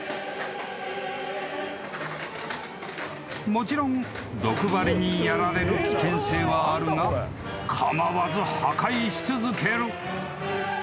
［もちろん毒針にやられる危険性はあるが構わず破壊し続ける］